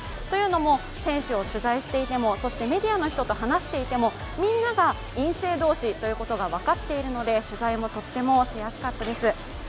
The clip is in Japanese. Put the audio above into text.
というのも、選手を取材していてもそしてメディアの人と話していてもみんなが陰性同士ということが分かっているので取材もとってもしやすかったです。